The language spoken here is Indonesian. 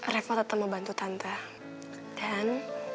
repot atau membantu tante dan